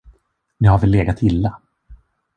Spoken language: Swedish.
Ni har väl legat illa?